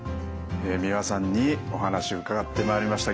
三輪さんにお話伺ってまいりました。